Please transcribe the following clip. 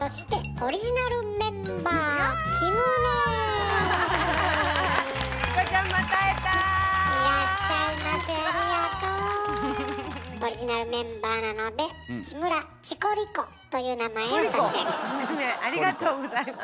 オリジナルメンバーなのでという名前を差し上げます。